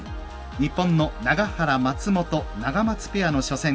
日本の永原、松本ナガマツペアの初戦。